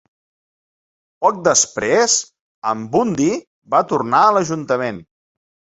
Poc després, Ambundii va tornar a l'ajuntament.